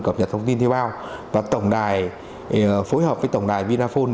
cập nhật thông tin thuê bao và tổng đài phối hợp với tổng đài vinaphone